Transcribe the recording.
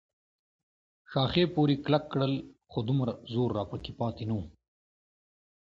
ښاخې پورې کلک کړل، خو دومره زور راپکې پاتې نه و.